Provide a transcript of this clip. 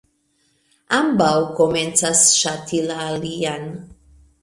Ambaŭ komencas ŝati la alian.